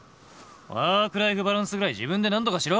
ワークライフバランスぐらい自分でなんとかしろ！